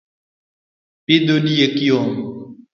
pidho diek yom